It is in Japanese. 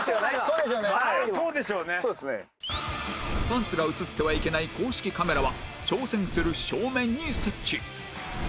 パンツが映ってはいけない公式カメラは挑戦する正面に設置